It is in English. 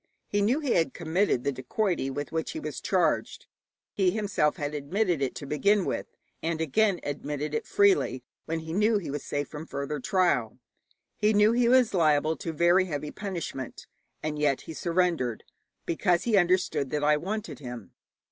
He knew he had committed the dacoity with which he was charged: he himself had admitted it to begin with, and again admitted it freely when he knew he was safe from further trial. He knew he was liable to very heavy punishment, and yet he surrendered because he understood that I wanted him.